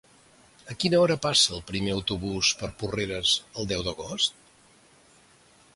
A quina hora passa el primer autobús per Porreres el deu d'agost?